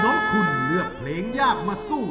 น้องคุณเลือกเพลงยากมาสู้